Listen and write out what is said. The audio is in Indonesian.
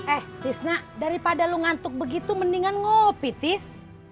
eh tisna daripada lu ngantuk begitu mendingan ngopi tis